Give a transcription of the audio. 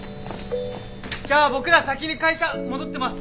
じゃあ僕ら先に会社戻ってます。